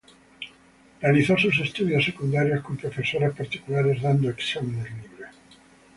Realizó sus estudios secundarios con profesores particulares, dando exámenes libres.